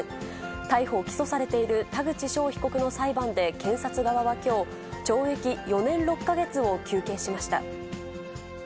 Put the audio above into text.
逮捕・起訴されている田口翔被告の裁判で検察側はきょう、懲役４年６か月を求刑しました。